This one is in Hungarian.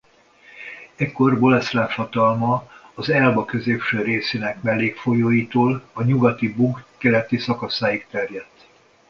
Ekkor Boleszláv hatalma az Elba középső részének mellékfolyóitól a Nyugati-Bug keleti szakaszáig terjedt.